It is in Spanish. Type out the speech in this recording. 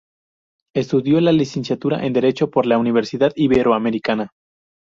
Estudió la licenciatura en derecho por la Universidad Iberoamericana.